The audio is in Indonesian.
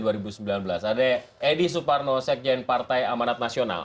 ada edi suparnosek jn partai amanat nasional